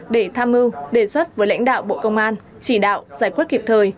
để tham mưu đề xuất với lãnh đạo bộ công an chỉ đạo giải quyết kịp thời